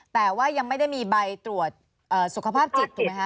แต่ว่ายังไม่ได้มีใบตรวจสุขภาพจิตถูกไหมคะ